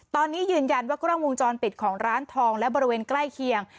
ตอนนี้ยืนยันว่ากล้องวงจรปิดของร้านทองและบริเวณใกล้เคียง